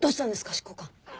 執行官。